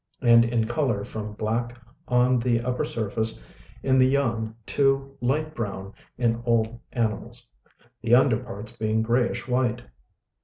and in colour from black on the upper surface in the young to light brown in old animals, the under parts being greyish white.